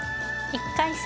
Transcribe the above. １回戦